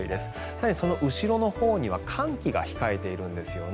更に、その後ろのほうには寒気が控えているんですよね。